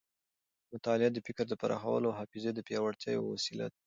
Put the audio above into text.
مطالعه د فکر د پراخولو او حافظې د پیاوړتیا یوه وسیله ده.